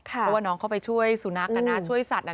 เพราะว่าน้องเขาไปช่วยสุนัขช่วยสัตว์